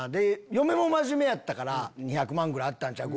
嫁も真面目やったから２００万ぐらいあったんちゃう？